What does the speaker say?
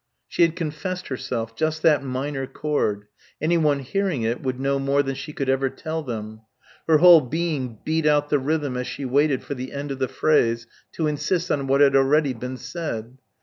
She had confessed herself ... just that minor chord ... anyone hearing it would know more than she could ever tell them ... her whole being beat out the rhythm as she waited for the end of the phrase to insist on what already had been said.